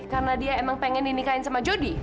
karena dia emang pengen dinikahin sama jody